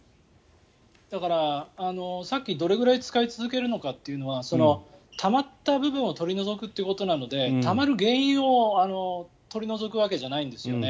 だから、さっきどれくらい使い続けるのかというのはたまった部分を取り除くということなのでたまる原因を取り除くわけじゃないんですよね。